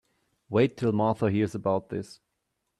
Wait till Martha hears about this.